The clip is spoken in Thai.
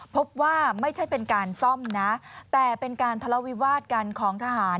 พบว่าไม่ใช่เป็นการซ่อมนะแต่เป็นการทะเลาวิวาสกันของทหาร